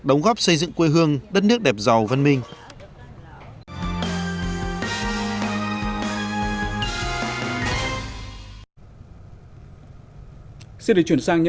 đóng góp xây dựng quê hương đất nước đẹp giàu văn minh